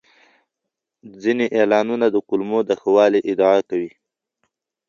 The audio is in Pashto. ځینې اعلانونه د کولمو د ښه والي ادعا کوي.